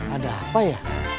ada apa ya